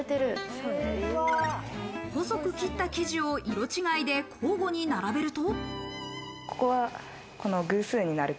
細く切った生地を色違いで交互に並べると。